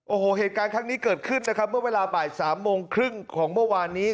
โอ้โหเหตุการณ์ครั้งนี้เกิดขึ้นนะครับเมื่อเวลาบ่ายสามโมงครึ่งของเมื่อวานนี้